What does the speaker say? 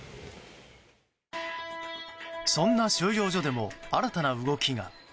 そんな収容所でも新たな動きが。